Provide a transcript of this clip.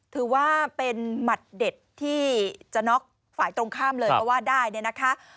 ถือว่าเป็นหมัดเด็ดที่จะน็อกฝ่ายตรงข้ามเลยก็ว่าได้เนี่ยนะคะ